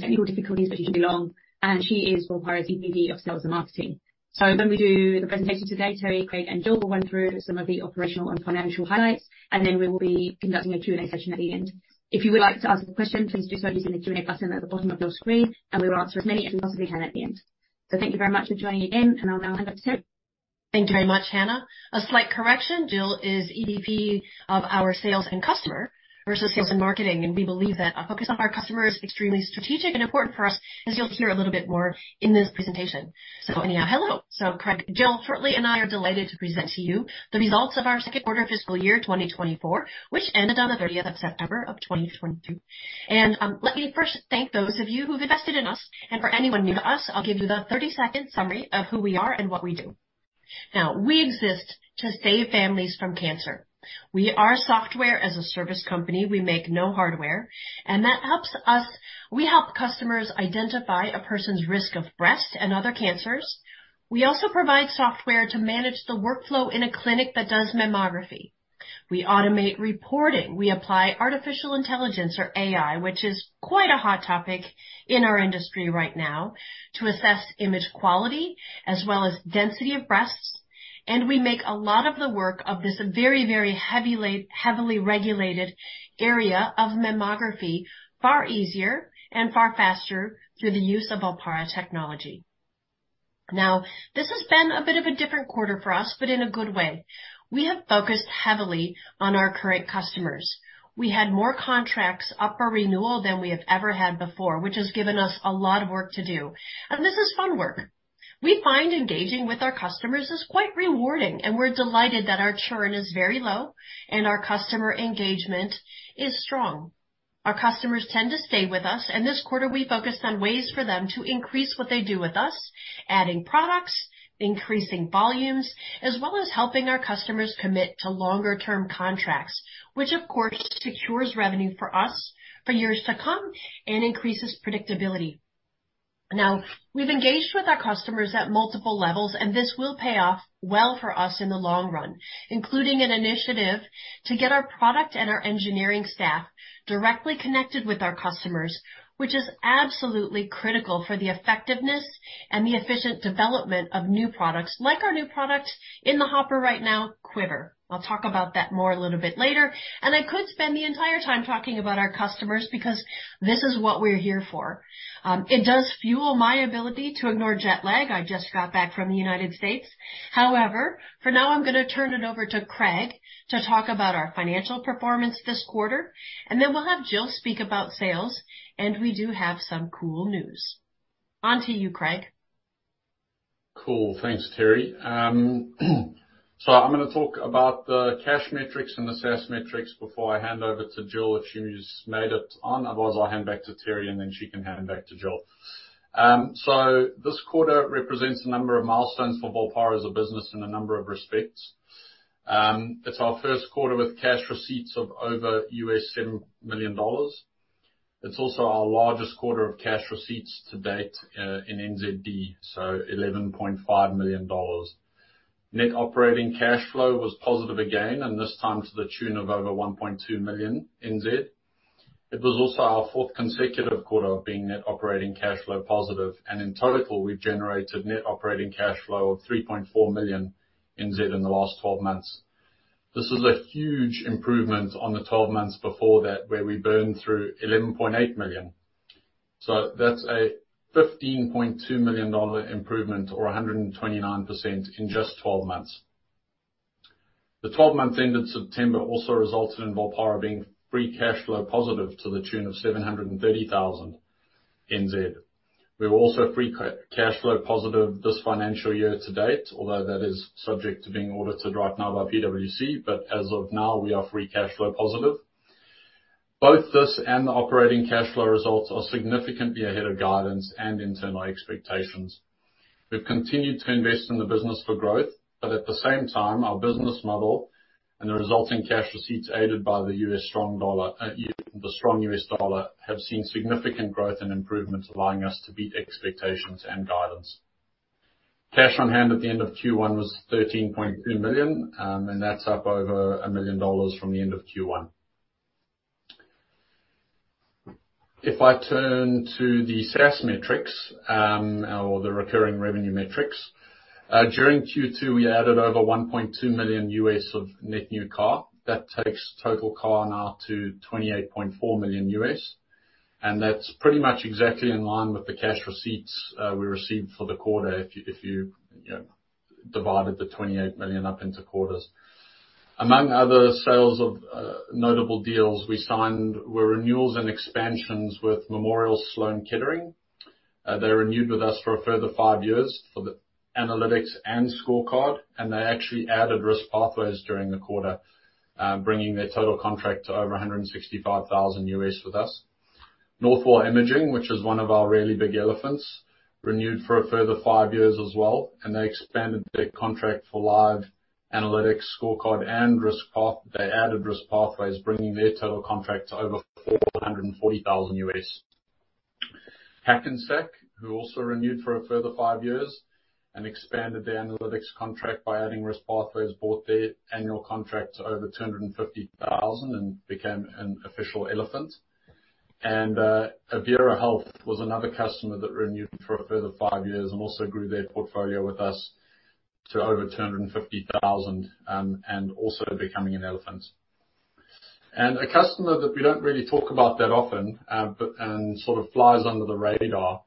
Technical difficulties, but she shouldn't be long, and she is Volpara's EVP of Sales and Marketing. So when we do the presentation today, Teri, Craig, and Jill will run through some of the operational and financial highlights, and then we will be conducting a Q&A session at the end. If you would like to ask a question, please do so using the Q&A button at the bottom of your screen, and we will answer as many as we possibly can at the end. So thank you very much for joining in, and I'll now hand it over to Teri. Thank you very much, Hannah. A slight correction: Jill is EVP of our Sales and Customer versus Sales and Marketing, and we believe that our focus on our customer is extremely strategic and important for us, as you'll hear a little bit more in this presentation. So anyhow, hello. So Craig, Jill Spear, and I are delighted to present to you the results of our second quarter of fiscal year 2024, which ended on the 30th of September of 2022. And, let me first thank those of you who've invested in us, and for anyone new to us, I'll give you the 30-second summary of who we are and what we do. Now, we exist to save families from cancer. We are a software-as-a-service company. We make no hardware, and that helps us. We help customers identify a person's risk of breast and other cancers. We also provide software to manage the workflow in a clinic that does mammography. We automate reporting. We apply artificial intelligence, or AI, which is quite a hot topic in our industry right now, to assess image quality as well as density of breasts, and we make a lot of the work of this very, very heavily regulated area of mammography far easier and far faster through the use of Volpara technology. Now, this has been a bit of a different quarter for us, but in a good way. We have focused heavily on our current customers. We had more contracts up for renewal than we have ever had before, which has given us a lot of work to do, and this is fun work. We find engaging with our customers is quite rewarding, and we're delighted that our churn is very low and our customer engagement is strong. Our customers tend to stay with us, and this quarter, we focused on ways for them to increase what they do with us, adding products, increasing volumes, as well as helping our customers commit to longer term contracts, which of course, secures revenue for us for years to come and increases predictability. Now, we've engaged with our customers at multiple levels, and this will pay off well for us in the long run, including an initiative to get our product and our engineering staff directly connected with our customers, which is absolutely critical for the effectiveness and the efficient development of new products, like our new product in the hopper right now, Quiver. I'll talk about that more a little bit later. I could spend the entire time talking about our customers because this is what we're here for. It does fuel my ability to ignore jet lag. I just got back from the United States. However, for now, I'm gonna turn it over to Craig to talk about our financial performance this quarter, and then we'll have Jill speak about sales, and we do have some cool news. On to you, Craig. Cool. Thanks, Teri. So, I'm gonna talk about the cash metrics and the SaaS metrics before I hand over to Jill, if she's made it on. Otherwise, I'll hand back to Teri, and then she can hand back to Jill. So, this quarter represents a number of milestones for Volpara as a business in a number of respects. It's our first quarter with cash receipts of over $7 million. It's also our largest quarter of cash receipts-to-date, in NZD, so 11.5 million NZD. Net operating cash flow was positive again, and this time to the tune of over 1.2 million NZ dollars. It was also our fourth consecutive quarter of being net operating cash flow positive, and in total, we've generated net operating cash flow of 3.4 million in the last 12 months. This is a huge improvement on the 12 months before that, where we burned through 11.8 million. So that's a 15.2 million dollar improvement or 129% in just 12 months. The 12-month ended September also resulted in Volpara being free cash flow positive to the tune of NZD 730,000. We were also free cash flow positive this financial year-to-date, although that is subject to being audited right now by PwC, but as of now, we are free cash flow positive. Both this and the operating cash flow results are significantly ahead of guidance and internal expectations. We've continued to invest in the business for growth, but at the same time, our business model and the resulting cash receipts, aided by the U.S. strong dollar, the strong U.S. dollar, have seen significant growth and improvements, allowing us to beat expectations and guidance. Cash on hand at the end of Q1 was 13.2 million, and that's up over 1 million dollars from the end of Q1. If I turn to the SaaS metrics, or the recurring revenue metrics, during Q2, we added over $1.2 million of net new CAR. That takes total CAR now to $28.4 million, and that's pretty much exactly in line with the cash receipts, we received for the quarter, if you, you know, divided the 28 million up into quarters. Among other sales of notable deals we signed, were renewals and expansions with Memorial Sloan Kettering. They renewed with us for a further five years for the Analytics and Scorecard, and they actually added Risk Pathways during the quarter, bringing their total contract to over $165,000 with us. Northwell Imaging, which is one of our really big elephants, renewed for a further five years as well, and they expanded their contract for Live Analytics, Scorecard, and Risk Pathways, bringing their total contract to over $140,000. Hackensack, who also renewed for a further five years and expanded their Analytics contract by adding Risk Pathways, brought their annual contract to over 250,000 and became an official elephant. Avera Health was another customer that renewed for a further five years and also grew their portfolio with us to over 250,000, and also becoming an elephant. A customer that we don't really talk about that often, but sort of flies under the radar,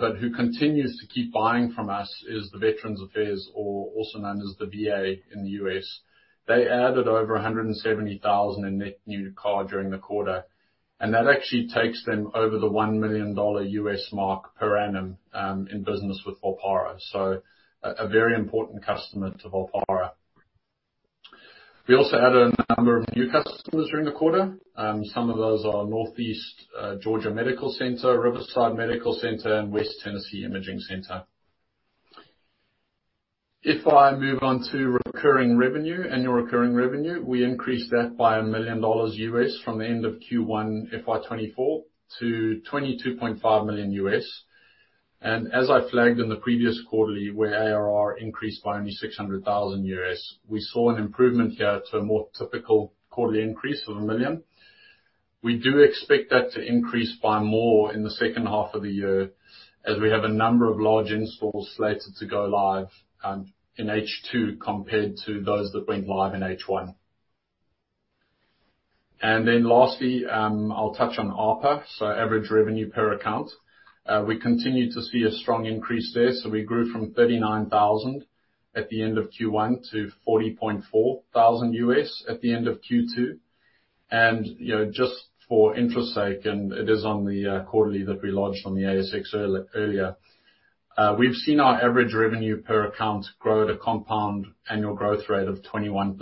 but who continues to keep buying from us is the Veterans Affairs, or also known as the VA in the U.S.. They added over 170,000 in net new ARR during the quarter, and that actually takes them over the $1 million mark per annum, in business with Volpara. So, a very important customer to Volpara. We also added a number of new customers during the quarter. Some of those are Northeast Georgia Medical Center, Riverside Medical Center, and West Tennessee Imaging Center. If I move on to recurring revenue, annual recurring revenue, we increased that by $1 million from the end of Q1 FY 2024 to $22.5 million. And as I flagged in the previous quarterly, where ARR increased by only $600,000, we saw an improvement here to a more typical quarterly increase of $1 million. We do expect that to increase by more in the second half of the year, as we have a number of large installs slated to go live in H2, compared to those that went live in H1. And then lastly, I'll touch on ARPA, so average revenue per account. We continue to see a strong increase there. So we grew from $39,000 at the end of Q1 to $40,400 at the end of Q2. You know, just for interest's sake, it is on the quarterly that we launched on the ASX earlier. We've seen our average revenue per account grow at a compound annual growth rate of 21%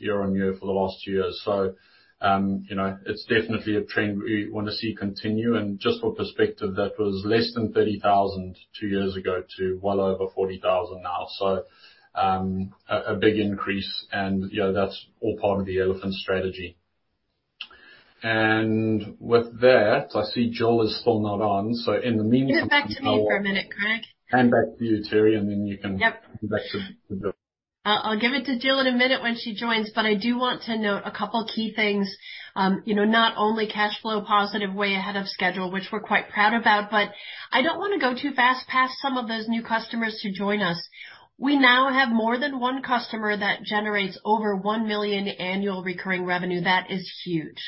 year-on-year for the last two years. So, you know, it's definitely a trend we want to see continue. And just for perspective, that was less than $30,000 two years ago to well over $40,000 now. So, a big increase and, you know, that's all part of the Elephant Strategy. And with that, I see Jill is still not on. So in the meantime- Give it back to me for a minute, Craig. Hand back to you, Teri, and then you can- Yep. Back to Jill. I'll give it to Jill in a minute when she joins, but I do want to note a couple of key things. You know, not only cash flow positive, way ahead of schedule, which we're quite proud about, but I don't want to go too fast past some of those new customers to join us. We now have more than one customer that generates over $1 million annual recurring revenue. That is huge.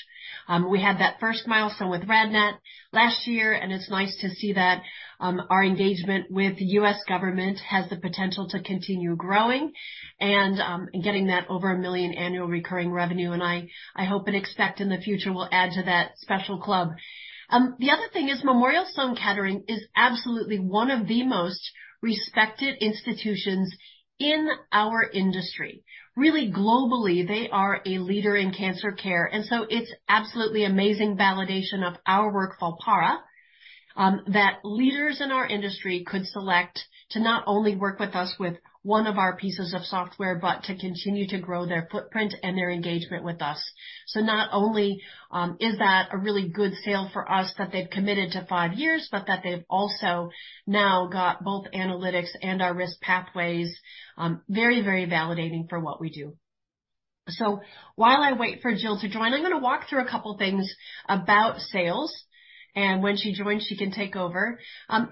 We had that first milestone with RadNet last year, and it's nice to see that our engagement with the U.S. government has the potential to continue growing and getting that over $1 million annual recurring revenue. I hope and expect in the future we'll add to that special club. The other thing is, Memorial Sloan Kettering is absolutely one of the most respected institutions in our industry. Really, globally, they are a leader in cancer care, and so it's absolutely amazing validation of our work, Volpara, that leaders in our industry could select to not only work with us with one of our pieces of software, but to continue to grow their footprint and their engagement with us. So not only is that a really good sale for us that they've committed to five years, but that they've also now got both analytics and our risk pathways. Very, very validating for what we do. So while I wait for Jill to join, I'm gonna walk through a couple things about sales, and when she joins, she can take over.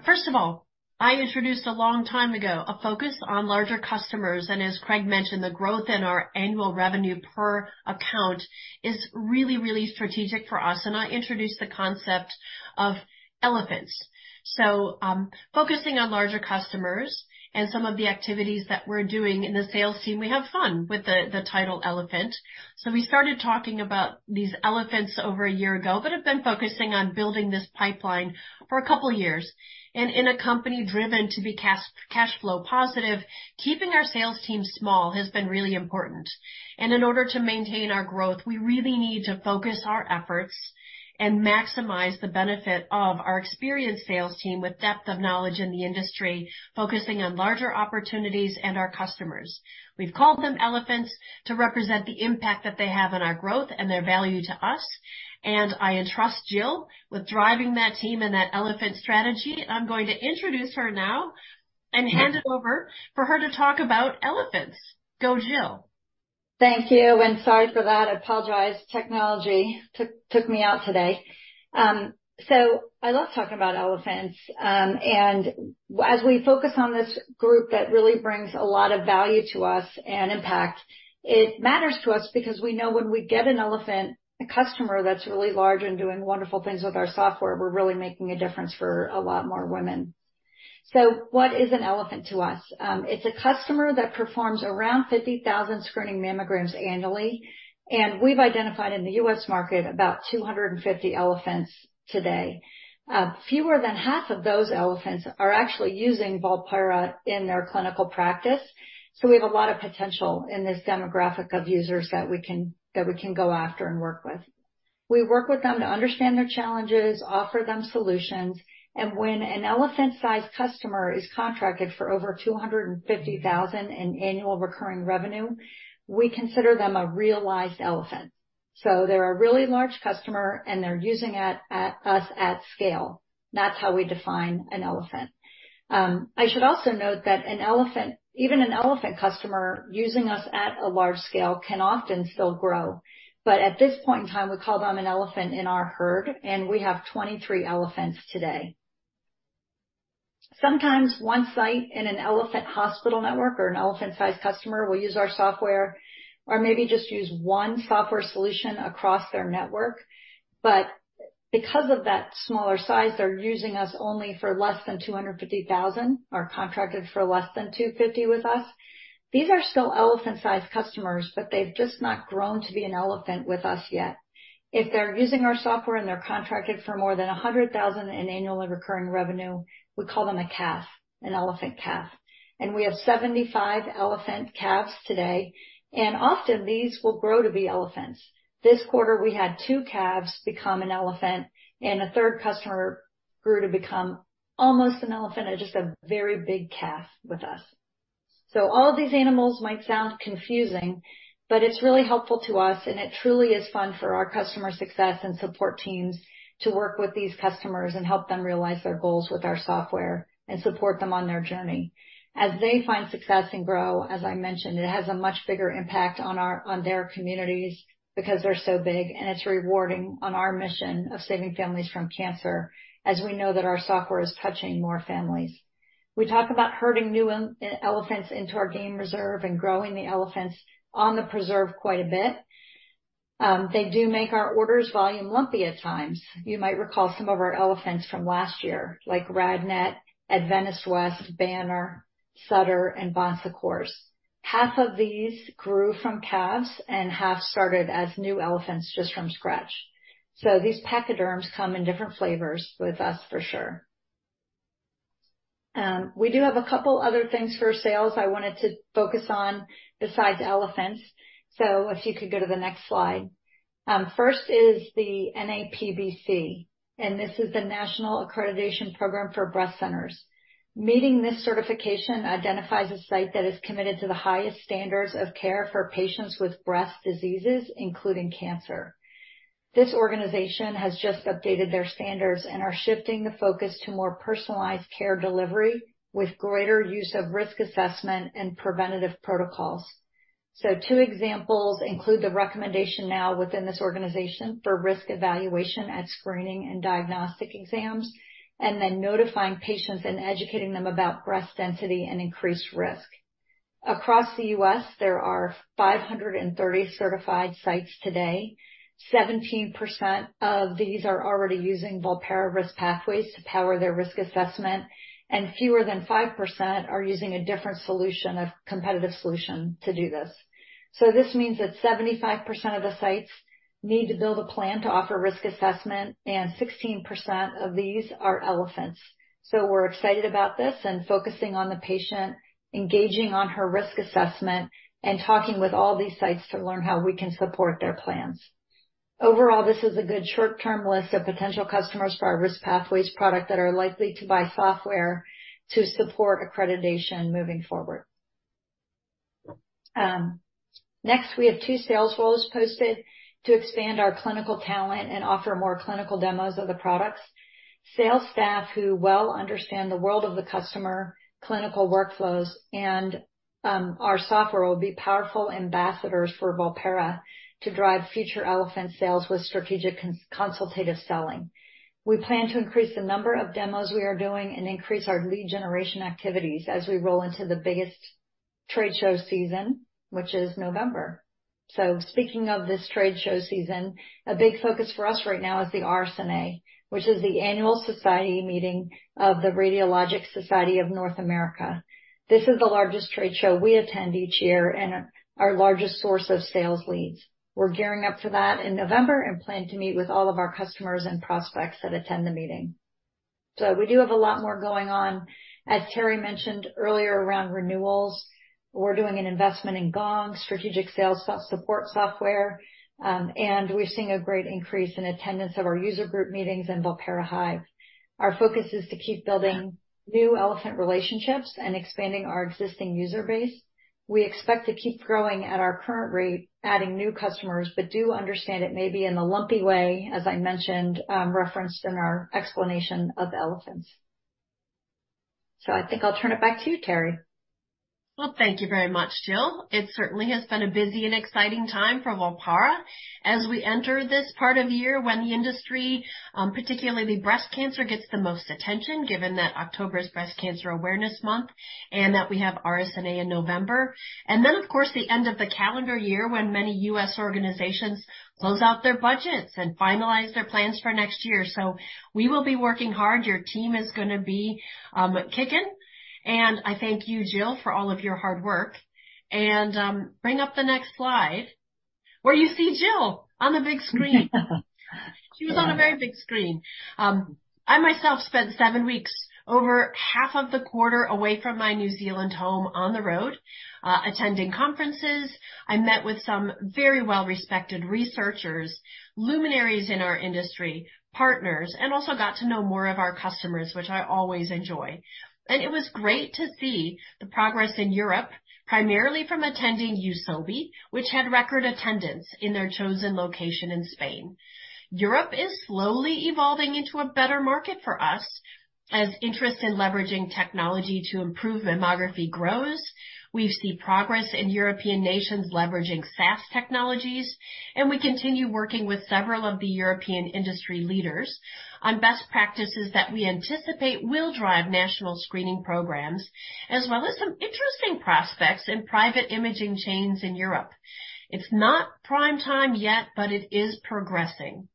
First of all, I introduced a long time ago, a focus on larger customers, and as Craig mentioned, the growth in our annual revenue per account is really, really strategic for us. I introduced the concept of elephants. So, focusing on larger customers and some of the activities that we're doing in the sales team, we have fun with the title elephant. So we started talking about these elephants over a year ago, but have been focusing on building this pipeline for a couple of years. In a company driven to be cash flow positive, keeping our sales team small has been really important. And in order to maintain our growth, we really need to focus our efforts and maximize the benefit of our experienced sales team, with depth of knowledge in the industry, focusing on larger opportunities and our customers. We've called them elephants to represent the impact that they have on our growth and their value to us, and I entrust Jill with driving that team and that Elephant Strategy. I'm going to introduce her now and hand it over for her to talk about elephants. Go, Jill! Thank you, and sorry for that. I apologize. Technology took me out today. So I love talking about elephants. And as we focus on this group, that really brings a lot of value to us and impact. It matters to us because we know when we get an elephant, a customer that's really large and doing wonderful things with our software, we're really making a difference for a lot more women. So what is an elephant to us? It's a customer that performs around 50,000 screening mammograms annually, and we've identified in the U.S. market about 250 elephants today. Fewer than half of those elephants are actually using Volpara in their clinical practice, so we have a lot of potential in this demographic of users that we can go after and work with. We work with them to understand their challenges, offer them solutions, and when an elephant-sized customer is contracted for over $250,000 in annual recurring revenue, we consider them a realized elephant. So they're a really large customer, and they're using at us at scale. That's how we define an elephant. I should also note that an elephant, even an elephant customer using us at a large scale, can often still grow, but at this point in time, we call them an elephant in our herd, and we have 23 elephants today. Sometimes one site in an elephant hospital network or an elephant-sized customer will use our software or maybe just use one software solution across their network, but because of that smaller size, they're using us only for less than $250,000, or contracted for less than $250,000 with us. These are still elephant-sized customers, but they've just not grown to be an elephant with us yet. If they're using our software, and they're contracted for more than $100,000 in annually recurring revenue, we call them a calf, an elephant calf, and we have 75 elephant calves today, and often these will grow to be elephants. This quarter, we had two calves become an elephant, and a third customer grew to become almost an elephant and just a very big calf with us. So all of these animals might sound confusing, but it's really helpful to us, and it truly is fun for our customer success and support teams to work with these customers and help them realize their goals with our software and support them on their journey. As they find success and grow, as I mentioned, it has a much bigger impact on our on their communities because they're so big, and it's rewarding on our mission of saving families from cancer as we know that our software is touching more families. We talk about herding new elephants into our game reserve and growing the elephants on the preserve quite a bit. They do make our orders volume lumpy at times. You might recall some of our elephants from last year, like RadNet, Adventist West, Banner, Sutter, and Bon Secours. Half of these grew from calves, and half started as new elephants just from scratch. So these pachyderms come in different flavors with us for sure. We do have a couple other things for sales I wanted to focus on besides elephants. So if you could go to the next slide. First is the NAPBC, and this is the National Accreditation Program for Breast Centers. Meeting this certification identifies a site that is committed to the highest standards of care for patients with breast diseases, including cancer. This organization has just updated their standards and are shifting the focus to more personalized care delivery, with greater use of risk assessment and preventative protocols. So two examples include the recommendation now within this organization for risk evaluation at screening and diagnostic exams, and then notifying patients and educating them about breast density and increased risk. Across the U.S., there are 530 certified sites today. 17% of these are already using Volpara Risk Pathways to power their risk assessment, and fewer than 5% are using a different solution, a competitive solution to do this. So this means that 75% of the sites need to build a plan to offer risk assessment, and 16% of these are elephants. So we're excited about this and focusing on the patient, engaging on her risk assessment, and talking with all these sites to learn how we can support their plans. Overall, this is a good short-term list of potential customers for our Risk Pathways product that are likely to buy software to support accreditation moving forward. Next, we have 2 sales roles posted to expand our clinical talent and offer more clinical demos of the products. Sales staff who well understand the world of the customer, clinical workflows, and our software, will be powerful ambassadors for Volpara to drive future elephant sales with strategic consultative selling. We plan to increase the number of demos we are doing and increase our lead generation activities as we roll into the biggest trade show season, which is November. So speaking of this trade show season, a big focus for us right now is the RSNA, which is the Annual Meeting of the Radiological Society of North America. This is the largest trade show we attend each year and our largest source of sales leads. We're gearing up for that in November and plan to meet with all of our customers and prospects that attend the meeting. So we do have a lot more going on. As Teri mentioned earlier, around renewals, we're doing an investment in Gong, strategic sales support software, and we're seeing a great increase in attendance of our user group meetings in Volpara Hive. Our focus is to keep building new elephant relationships and expanding our existing user base. We expect to keep growing at our current rate, adding new customers, but do understand it may be in a lumpy way, as I mentioned, referenced in our explanation of elephants. I think I'll turn it back to you, Teri. Well, thank you very much, Jill. It certainly has been a busy and exciting time for Volpara as we enter this part of the year when the industry, particularly breast cancer, gets the most attention, given that October is Breast Cancer Awareness Month and that we have RSNA in November. And then, of course, the end of the calendar year, when many U.S. organizations close out their budgets and finalize their plans for next year. So we will be working hard. Your team is gonna be kicking, and I thank you, Jill, for all of your hard work. And bring up the next slide, where you see Jill on the big screen. She was on a very big screen. I myself spent seven weeks, over half of the quarter, away from my New Zealand home on the road, attending conferences. I met with some very well-respected researchers, luminaries in our industry, partners, and also got to know more of our customers, which I always enjoy. It was great to see the progress in Europe, primarily from attending EUSOBI, which had record attendance in their chosen location in Spain. Europe is slowly evolving into a better market for us. As interest in leveraging technology to improve mammography grows, we see progress in European nations leveraging SaaS technologies, and we continue working with several of the European industry leaders on best practices that we anticipate will drive national screening programs, as well as some interesting prospects in private imaging chains in Europe. It's not prime time yet, but it is progressing.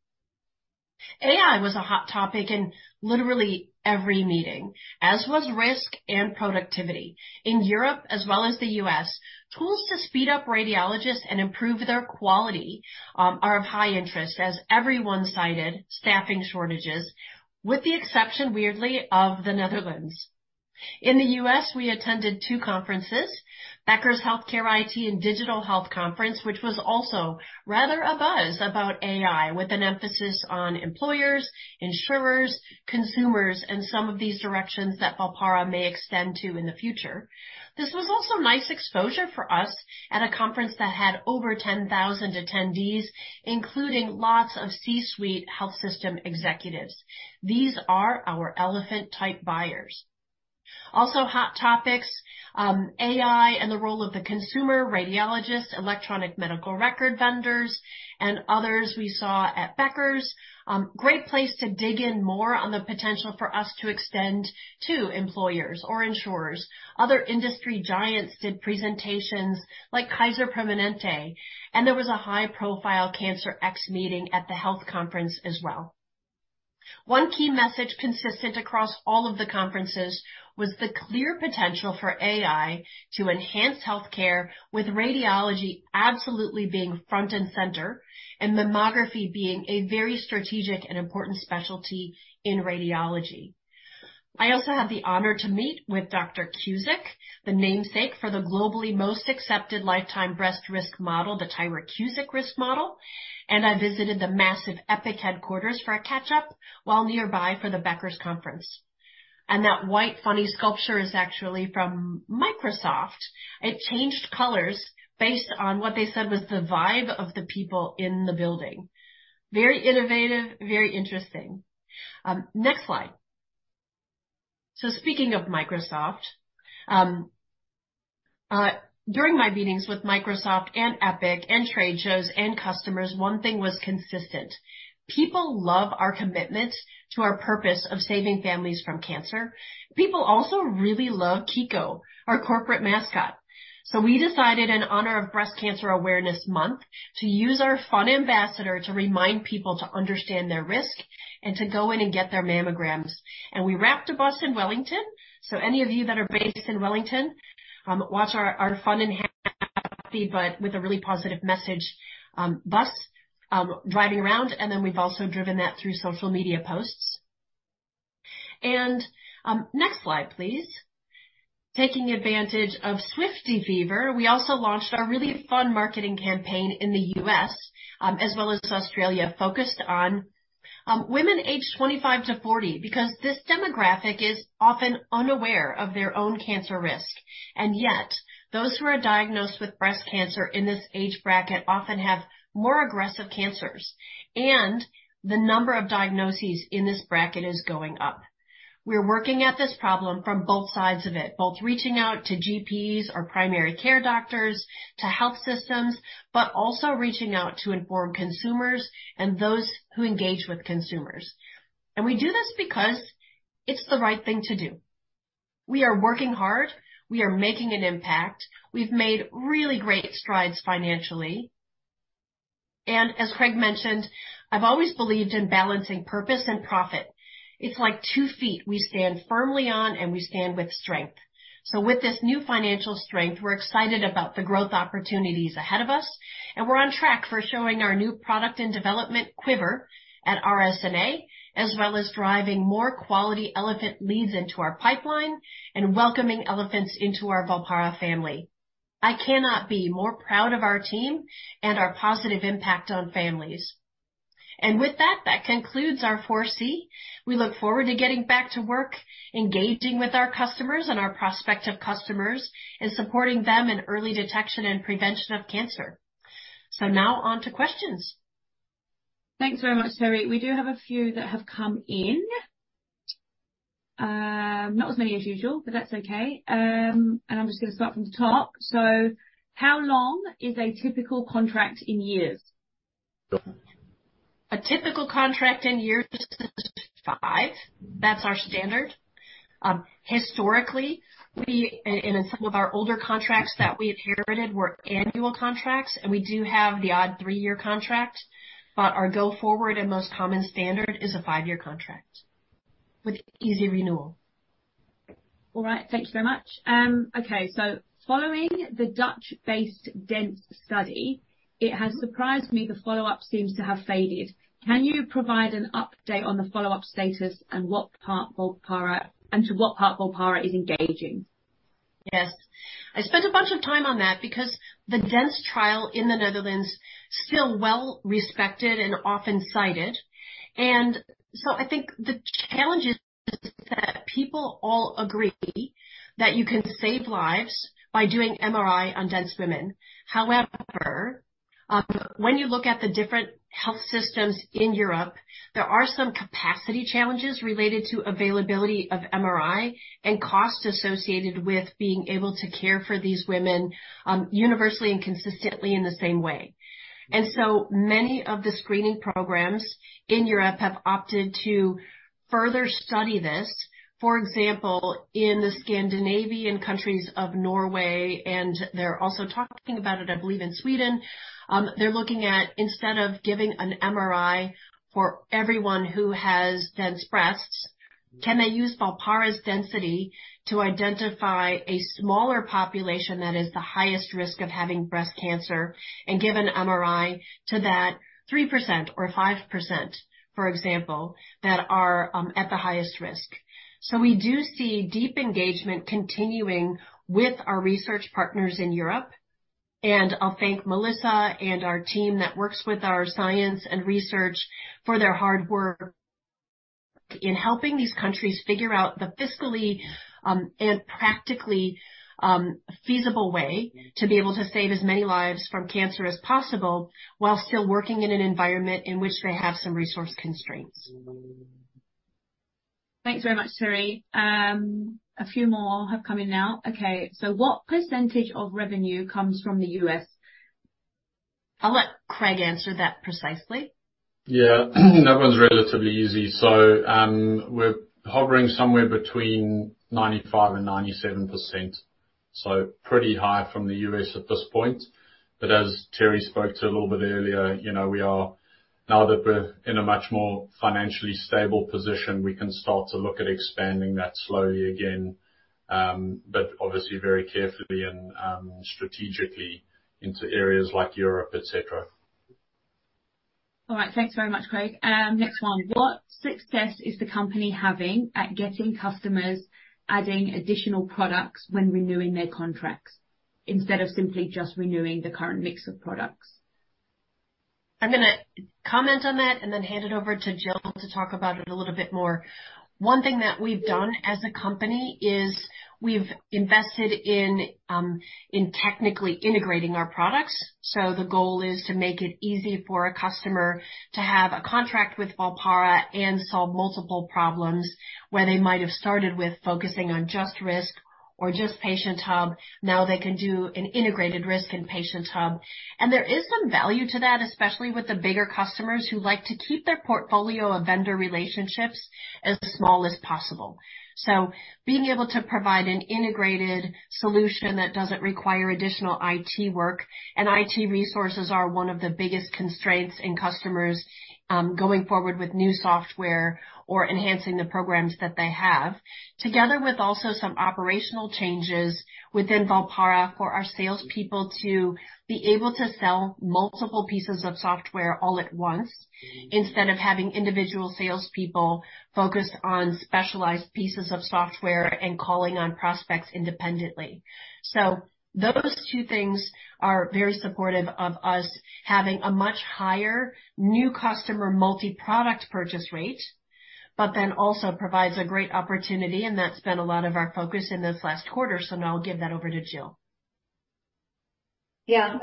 AI was a hot topic in literally every meeting, as was risk and productivity. In Europe, as well as the U.S., tools to speed up radiologists and improve their quality, are of high interest as everyone cited staffing shortages, with the exception, weirdly, of the Netherlands. In the U.S., we attended two conferences, Becker's Healthcare IT and Digital Health Conference, which was also rather abuzz about AI, with an emphasis on employers, insurers, consumers, and some of these directions that Volpara may extend to in the future. This was also nice exposure for us at a conference that had over 10,000 attendees, including lots of C-suite health system executives. These are our elephant-type buyers. Also, hot topics, AI and the role of the consumer, radiologists, electronic medical record vendors, and others we saw at Becker's. Great place to dig in more on the potential for us to extend to employers or insurers. Other industry giants did presentations like Kaiser Permanente, and there was a high-profile CancerX meeting at the health conference as well. One key message consistent across all of the conferences was the clear potential for AI to enhance healthcare, with radiology absolutely being front and center, and mammography being a very strategic and important specialty in radiology. I also had the honor to meet with Dr. Cuzick, the namesake for the globally most accepted lifetime breast risk model, the Tyrer-Cuzick risk model, and I visited the massive Epic headquarters for a catch-up while nearby for the Becker's conference. And that white, funny sculpture is actually from Microsoft. It changed colors based on what they said was the vibe of the people in the building. Very innovative, very interesting. Next slide. So speaking of Microsoft, during my meetings with Microsoft, and Epic, and trade shows, and customers, one thing was consistent: People love our commitment to our purpose of saving families from cancer. People also really love Kiko, our corporate mascot. So we decided, in honor of Breast Cancer Awareness Month, to use our fun ambassador to remind people to understand their risk and to go in and get their mammograms. And we wrapped a bus in Wellington, so any of you that are based in Wellington, watch our fun and happy, but with a really positive message, bus driving around, and then we've also driven that through social media posts. And next slide, please. Taking advantage of Swiftie Fever, we also launched our really fun marketing campaign in the U.S., as well as Australia, focused on women aged 25-40, because this demographic is often unaware of their own cancer risk, and yet those who are diagnosed with breast cancer in this age bracket often have more aggressive cancers, and the number of diagnoses in this bracket is going up. We're working at this problem from both sides of it, both reaching out to GPs, or primary care doctors, to health systems, but also reaching out to informed consumers and those who engage with consumers. And we do this because it's the right thing to do. We are working hard, we are making an impact. We've made really great strides financially, and as Craig mentioned, I've always believed in balancing purpose and profit. It's like two feet. We stand firmly on, and we stand with strength. So with this new financial strength, we're excited about the growth opportunities ahead of us, and we're on track for showing our new product in development, Quiver, at RSNA, as well as driving more quality elephant leads into our pipeline and welcoming elephants into our Volpara family. I cannot be more proud of our team and our positive impact on families. And with that, that concludes our 4C. We look forward to getting back to work, engaging with our customers and our prospective customers, and supporting them in early detection and prevention of cancer. So now on to questions. Thanks very much, Teri. We do have a few that have come in. Not as many as usual, but that's okay. I'm just gonna start from the top. So how long is a typical contract in years? A typical contract in years is five. That's our standard. Historically, we, and in some of our older contracts that we inherited, were annual contracts, and we do have the odd 3-year contract, but our go-forward and most common standard is a 5-year contract with easy renewal. All right. Thank you so much. Okay, so following the Dutch-based DENSE study, it has surprised me the follow-up seems to have faded. Can you provide an update on the follow-up status and what part Volpara-- and to what part Volpara is engaging? Yes. I spent a bunch of time on that because the DENSE Trial in the Netherlands, still well respected and often cited. And so I think the challenge is that people all agree that you can save lives by doing MRI on dense women. However, when you look at the different health systems in Europe, there are some capacity challenges related to availability of MRI and costs associated with being able to care for these women, universally and consistently in the same way. And so many of the screening programs in Europe have opted to further study this. For example, in the Scandinavian countries of Norway, and they're also talking about it, I believe, in Sweden. They're looking at, instead of giving an MRI for everyone who has dense breasts, can they use Volpara's density to identify a smaller population that is the highest risk of having breast cancer and give an MRI to that 3% or 5%, for example, that are at the highest risk? So we do see deep engagement continuing with our research partners in Europe. And I'll thank Melissa and our team that works with our science and research for their hard work in helping these countries figure out the fiscally and practically feasible way to be able to save as many lives from cancer as possible while still working in an environment in which they have some resource constraints. Thanks very much, Teri. A few more have come in now. Okay, so what percentage of revenue comes from the U.S.? I'll let Craig answer that precisely. Yeah. That one's relatively easy. So, we're hovering somewhere between 95%-97%, so pretty high from the U.S. at this point. But as Teri spoke to a little bit earlier, you know, we are. Now that we're in a much more financially stable position, we can start to look at expanding that slowly again, but obviously very carefully and, strategically into areas like Europe, et cetera. All right. Thanks very much, Craig. Next one: What success is the company having at getting customers adding additional products when renewing their contracts, instead of simply just renewing the current mix of products? I'm going to comment on that and then hand it over to Jill to talk about it a little bit more. One thing that we've done as a company is we've invested in in technically integrating our products. So the goal is to make it easy for a customer to have a contract with Volpara and solve multiple problems, where they might have started with focusing on just risk or just Patient Hub. Now they can do an integrated risk in Patient Hub. And there is some value to that, especially with the bigger customers who like to keep their portfolio of vendor relationships as small as possible. So being able to provide an integrated solution that doesn't require additional IT work, and IT resources are one of the biggest constraints in customers going forward with new software or enhancing the programs that they have. Together with also some operational changes within Volpara for our salespeople to be able to sell multiple pieces of software all at once, instead of having individual salespeople focus on specialized pieces of software and calling on prospects independently. So those two things are very supportive of us having a much higher new customer multiproduct purchase rate, but then also provides a great opportunity, and that's been a lot of our focus in this last quarter. So now I'll give that over to Jill. Yeah.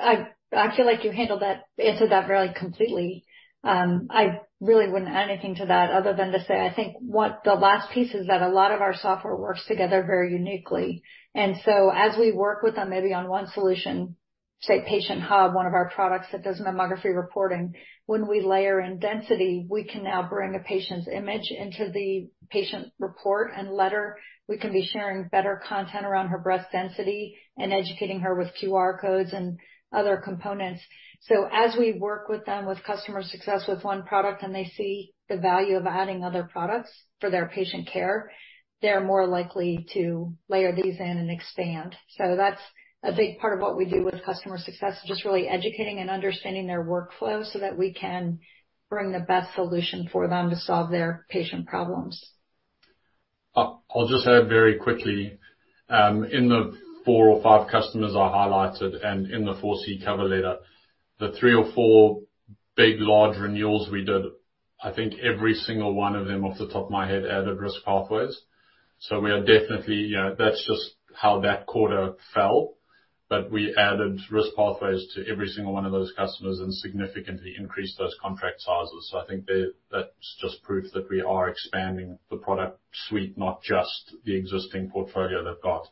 I feel like you handled that, answered that very completely. I really wouldn't add anything to that other than to say, I think what the last piece is that a lot of our software works together very uniquely. So as we work with them, maybe on one solution, say, Patient Hub, one of our products that does mammography reporting, when we layer in density, we can now bring a patient's image into the patient report and letter. We can be sharing better content around her breast density and educating her with QR codes and other components. So as we work with them with customer success with one product, and they see the value of adding other products for their patient care, they're more likely to layer these in and expand. That's a big part of what we do with customer success, is just really educating and understanding their workflow so that we can bring the best solution for them to solve their patient problems. I'll just add very quickly, in the four or five customers I highlighted and in the 4C cover letter, the three or four big, large renewals we did, I think every single one of them, off the top of my head, added Risk Pathways. So we are definitely, you know, that's just how that quarter fell, but we added Risk Pathways to every single one of those customers and significantly increased those contract sizes. So I think that, that's just proof that we are expanding the product suite, not just the existing portfolio they've got.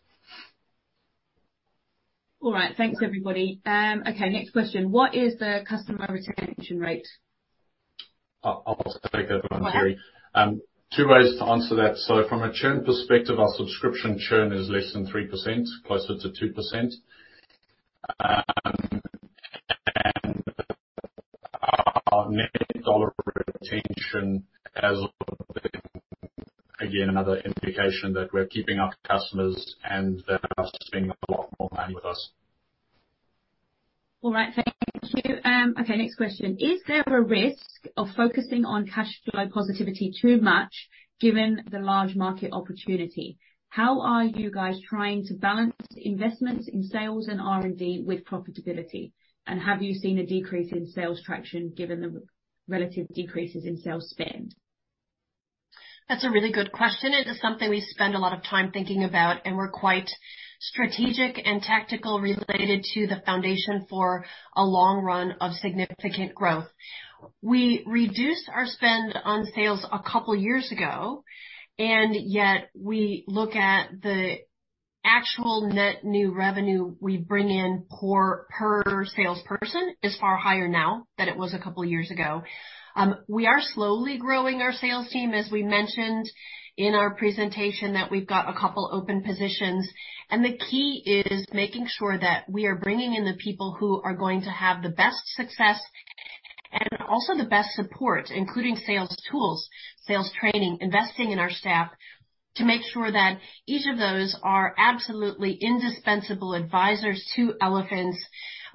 All right. Thanks, everybody. Okay, next question: What is the customer retention rate? I'll take that one, Teri. Go ahead. Two ways to answer that. So from a churn perspective, our subscription churn is less than 3%, closer to 2%. And our Net Dollar Retention has, again, another indication that we're keeping our customers, and they're spending a lot more money with us. All right. Thank you. Okay, next question: Is there a risk of focusing on cash flow positivity too much, given the large market opportunity? How are you guys trying to balance investments in sales and R&D with profitability? And have you seen a decrease in sales traction given the relative decreases in sales spend? That's a really good question. It is something we spend a lot of time thinking about, and we're quite strategic and tactical related to the foundation for a long run of significant growth. We reduced our spend on sales a couple years ago, and yet we look at the actual net new revenue we bring in per salesperson, is far higher now than it was a couple years ago. We are slowly growing our sales team, as we mentioned in our presentation, that we've got a couple open positions. The key is making sure that we are bringing in the people who are going to have the best success, and also the best support, including sales tools, sales training, investing in our staff, to make sure that each of those are absolutely indispensable advisors to elephants,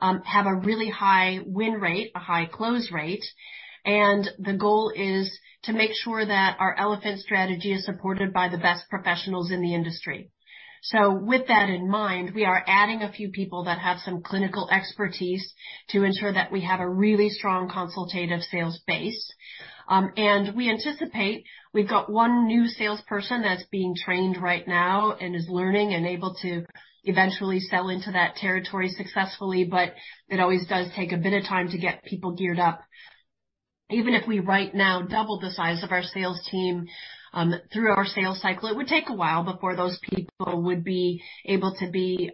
have a really high win rate, a high close rate. The goal is to make sure that our Elephant strategy is supported by the best professionals in the industry. With that in mind, we are adding a few people that have some clinical expertise to ensure that we have a really strong consultative sales base. We anticipate we've got one new salesperson that's being trained right now and is learning and able to eventually sell into that territory successfully. But it always does take a bit of time to get people geared up. Even if we, right now, double the size of our sales team, through our sales cycle, it would take a while before those people would be able to be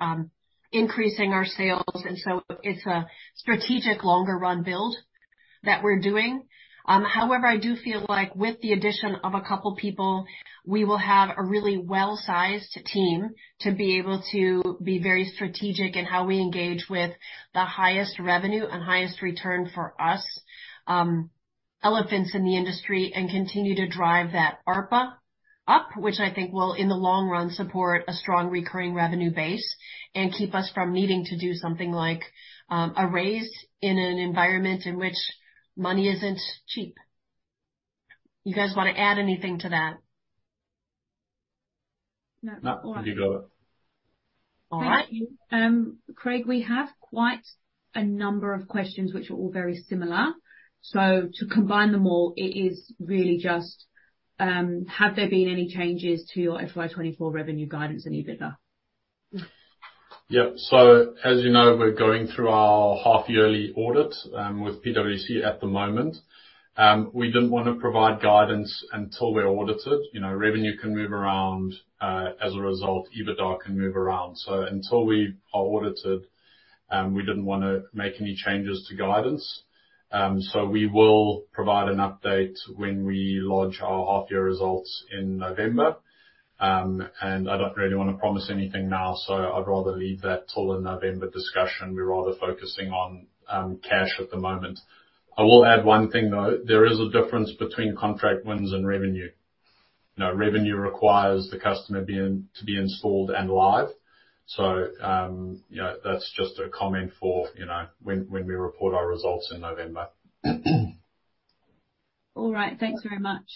increasing our sales. And so it's a strategic longer run build that we're doing. However, I do feel like with the addition of a couple people, we will have a really well-sized team to be able to be very strategic in how we engage with the highest revenue and highest return for us, elephants in the industry, and continue to drive that ARPA up, which I think will, in the long run, support a strong recurring revenue base and keep us from needing to do something like a raise in an environment in which money isn't cheap. You guys want to add anything to that? No. No, you got it. All right. Thank you. Craig, we have quite a number of questions which are all very similar. So to combine them all, it is really just, have there been any changes to your FY 2024 revenue guidance and EBITDA? Yep. So as you know, we're going through our half-yearly audit with PwC at the moment. We didn't want to provide guidance until we're audited. You know, revenue can move around as a result, EBITDA can move around. So until we are audited, we didn't want to make any changes to guidance. So we will provide an update when we launch our half-year results in November. And I don't really want to promise anything now, so I'd rather leave that till the November discussion. We're rather focusing on cash at the moment. I will add one thing, though. There is a difference between contract wins and revenue. You know, revenue requires the customer to be installed and live. So you know, that's just a comment for when we report our results in November. All right. Thanks very much.